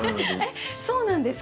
えっそうなんですか？